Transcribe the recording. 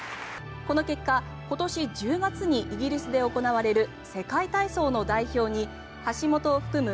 この結果今年１０月にイギリスで行われる世界体操の代表に橋本を含む